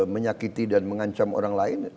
menyakiti dan mengancam orang lain